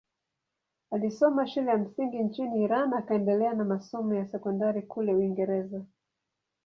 Alisoma shule ya msingi nchini Iran akaendelea na masomo ya sekondari kule Uingereza.